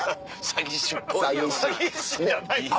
詐欺師じゃないです！